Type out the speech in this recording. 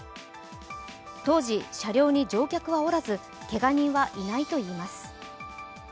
当時、車両に乗客はおらず、けが人はいないといいます。